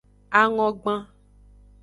Angogban.